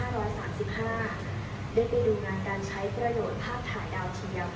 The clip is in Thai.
ได้ไปดูงานการใช้ประโยชน์ภาพถ่ายดาวเทียม